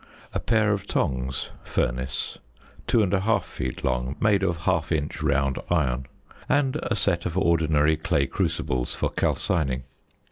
A pair of tongs (furnace) 2 1/2 feet long, made of 1/2 inch round iron. And a set of ordinary clay crucibles for calcining.